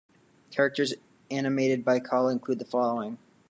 Characters animated by Kahl include the following.